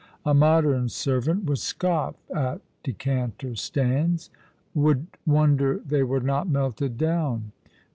A modern servant would scoff at decanter stands ; would wonder they were not melted down.